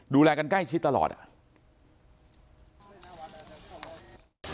ดูแลกันใกล้ชิดตลอดอ่ะ